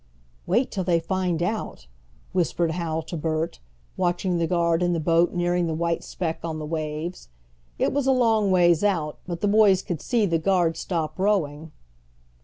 "Wait till they find out," whispered Hal to Bert, watching the guard in the boat nearing the white speck on the waves. It was a long ways out, but the boys could see the guard stop rowing.